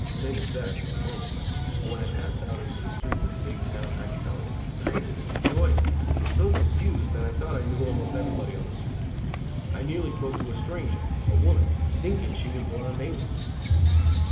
It made me sad for a moment, but when I passed out into the streets of the big town I felt excited and joyous, and so confused that I thought I knew almost everybody on the street. I nearly spoke to a stranger, a woman, thinking she was Blonde Mamie.